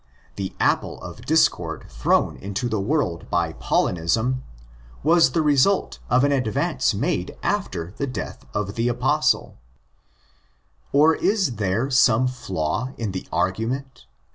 The apple of discord thrown into the world by Paulinism was the PAUL ACCORDING TO ACTS 103 result of an advance made after the death of the Apostle. Or is there some. flaw in the argument?